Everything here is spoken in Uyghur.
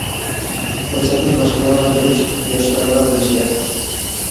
پۇرسەتنى باشقىلارغا بېرىش، ياشلارغا بېرىش كېرەك.